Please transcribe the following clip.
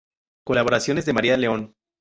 Colaboraciones de María León